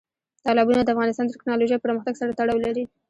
تالابونه د افغانستان د تکنالوژۍ پرمختګ سره تړاو لري.